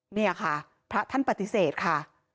นี่ค่ะพระท่านปฏิเสธค่ะ